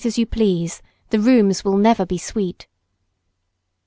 Ventilate as you please, the rooms will never be sweet.